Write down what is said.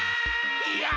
いや